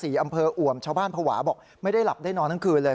อำเภออ่วมชาวบ้านภาวะบอกไม่ได้หลับได้นอนทั้งคืนเลย